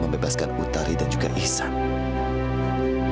membebaskan utari dan juga ihsan